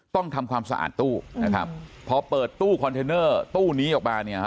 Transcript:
ต้องทำความสะอาดตู้นะครับพอเปิดตู้คอนเทนเนอร์ตู้นี้ออกมาเนี่ยฮะ